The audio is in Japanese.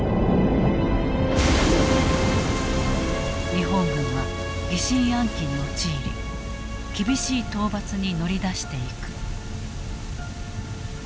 日本軍は疑心暗鬼に陥り厳しい討伐に乗り出していく。